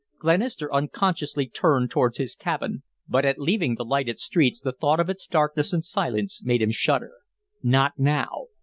Glenister unconsciously turned towards his cabin, but at leaving the lighted streets the thought of its darkness and silence made him shudder. Not now!